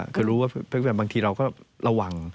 คือรู้ว่าบางทีเราก็ระวัง